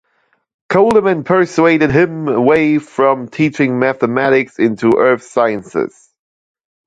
Coleman persuaded him away from teaching mathematics and into Earth Sciences.